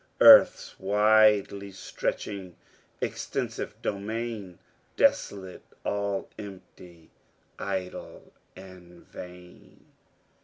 Earth's widely stretching, extensive domain, Desolate all empty, idle, and vain."